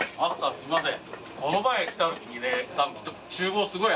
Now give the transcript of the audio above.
すみません